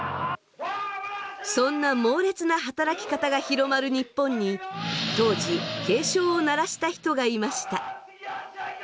そんなモーレツな働き方が広まる日本に当時警鐘を鳴らした人がいました。